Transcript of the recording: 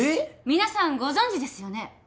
皆さんご存じですよね？